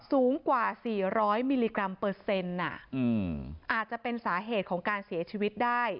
สูงกว่า๔๐๐มิลลิกรัมเปอร์เซ็นต์อาจจะเป็นสาเหตุของการเสียชีวิตได้